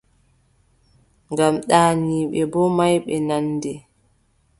Ngam ɗaaniiɓe boo maayɓe nandi.